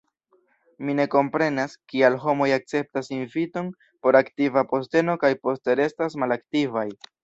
Mi ne komprenas, kial homoj akceptas inviton por aktiva posteno kaj poste restas malaktivaj.